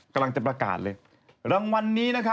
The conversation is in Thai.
ชี้คนนี้พี่เปลี่ยนคนนี้